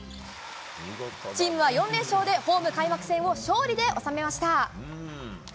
チームは４連勝でホーム開幕戦を勝利で収めました。